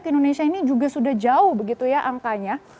ke indonesia ini juga sudah jauh begitu ya angkanya